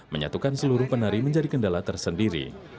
menyatukan seluruh penari menjadi kendala tersendiri